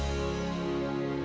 masih nggak bisa berkelakuan